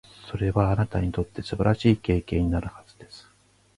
それは、あなたにとって素晴らしい経験になるはずです。